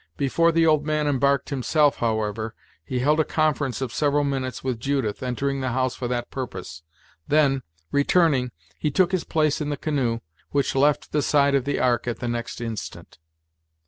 Before the old man embarked himself, however, he held a conference of several minutes with Judith, entering the house for that purpose; then, returning, he took his place in the canoe, which left the side of the ark at the next instant.